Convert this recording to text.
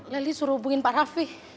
leli suruh hubungin pak raffi